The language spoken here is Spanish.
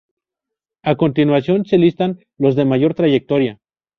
A continuación se listan los de mayor trayectoria.